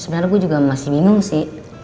sebenernya gue juga masih bingung sih